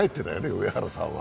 上原さんは。